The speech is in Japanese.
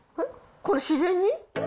これ、自然に？